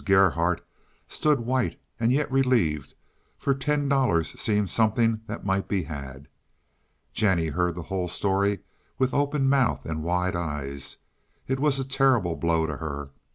Gerhardt stood white and yet relieved, for ten dollars seemed something that might be had. Jennie heard the whole story with open mouth and wide eyes. It was a terrible blow to her.